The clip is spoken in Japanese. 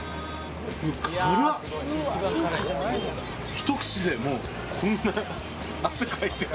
ひと口でもうこんな汗かいてきた。